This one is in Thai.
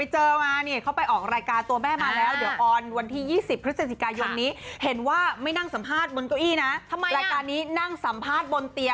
จะไปตั้งแต่วันที่๒๒เลย